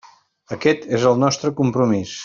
Aquest és el nostre compromís.